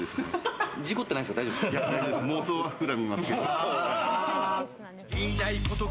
事故ってないですか？